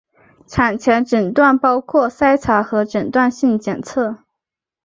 产前诊断包括筛查和诊断性检测。